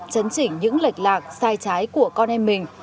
chấn chỉnh những lệch lạc sai trái của con em mình